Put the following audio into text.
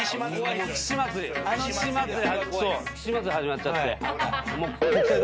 岸祭り始まっちゃって。